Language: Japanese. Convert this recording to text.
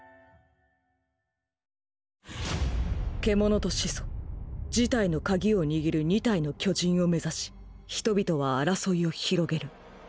獣と始祖事態の鍵を握る二体の巨人を目指し人々は争いを広げる。